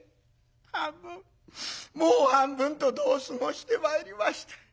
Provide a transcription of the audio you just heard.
半分もう半分と度を過ごしてまいりました。